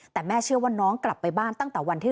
แต่แม่เชื่อว่าน้องกลับไปบ้านตั้งแต่วันที่๑